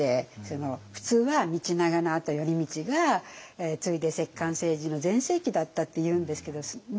普通は道長のあと頼通が継いで摂関政治の全盛期だったっていうんですけどね